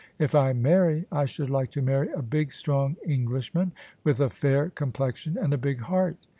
If I marry, I should like to marry a big strong Englishman with a fair complexion, and a big heart.